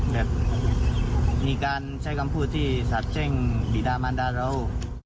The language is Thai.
แบบมีการใช้คำพูดที่สาบแช่งบีดามันดาเรา